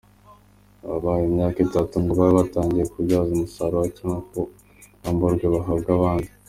Aba bahawe imyaka itatu ngo babe batangiye kububyaza umusaruro cyangwa babwamburwe buhabwe abandi.